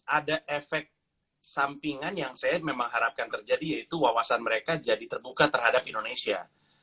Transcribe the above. ada efek sampingan yang saya memang harapkan terjadi yaitu wawasan mereka jadi terbuka terhadap indonesia